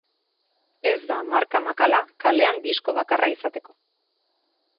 Ez da marka makala kalean disko bakarra izateko.